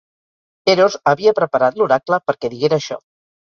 Eros havia preparat l'oracle perquè diguera això.